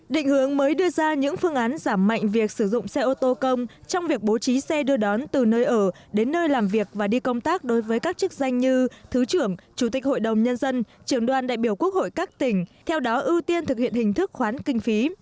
định hướng mới đưa ra những phương án giảm mạnh việc sử dụng xe ô tô công trong việc bố trí xe đưa đón từ nơi ở đến nơi làm việc và đi công tác đối với các chức danh như thứ trưởng chủ tịch hội đồng nhân dân trưởng đoàn đại biểu quốc hội các tỉnh theo đó ưu tiên thực hiện hình thức khoán kinh phí